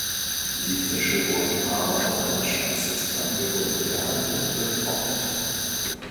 Die Fische wurden paarweise an den Schwänzen zusammengebunden gehandelt oder getrocknet.